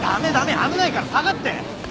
危ないから下がって。